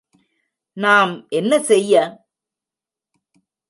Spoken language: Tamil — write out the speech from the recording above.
நாம் என்ன செய்ய?